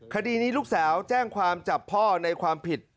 คดีนี้ลูกสาวแจ้งความจับพ่อในความผิด